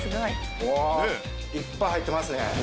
いっぱい入ってますね。